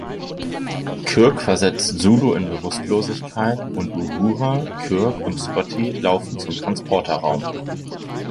Kirk versetzt Sulu in Bewusstlosigkeit, und Uhura, Kirk und Scotty laufen zum Transporterraum.